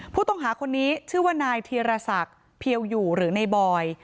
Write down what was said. ผู้ต้องหาคนนี้ชื่อว่านายธีรศักดิ์เพียวอยู่หรือในบอย